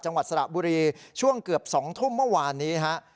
จังหวัดสระบุรีช่วงเกือบ๒ทุ่มเมื่อวานนี้ฮะ